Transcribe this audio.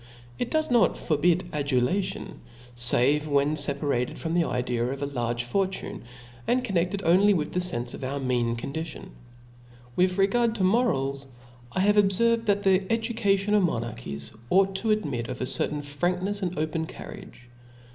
It docs not forbid adulation, but when feparate from the idea of a large fortune, and conneftcd only with the fenfe of our mean condition; ^ With regard to morals, I have obfcrved, that the education of nK)narchies ought to admit of a certain franknefs and open carriage.